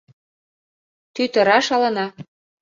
Тӱтыра шалана...